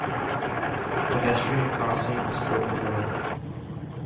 Pedestrian crossing is still forbidden.